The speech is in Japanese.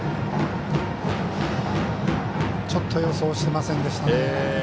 ちょっと予想していませんでしたね。